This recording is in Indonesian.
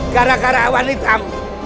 gara gara awan hitam